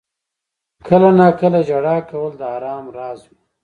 • کله ناکله ژړا کول د آرام راز وي.